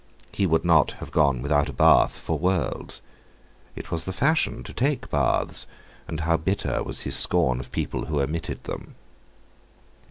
He would not have gone without a bath for worlds—it was the fashion to take baths; and how bitter was his scorn of people who omitted them!